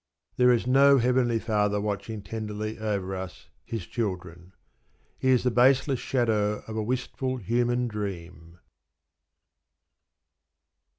There is no Heavenly Father watching tenderly over us, His children. He is the baseless shadow of a wistful human dream.